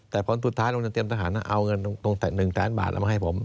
แต่ผลสุดท้ายโรงเรียนเตรียมทหารเอาเงินตรง๑แสนบาทเอามาให้ผม